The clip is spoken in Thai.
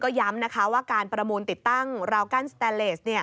ย้ำนะคะว่าการประมูลติดตั้งราวกั้นสแตนเลส